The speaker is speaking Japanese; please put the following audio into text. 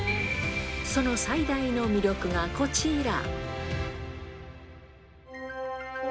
その最大の魅力がこちら。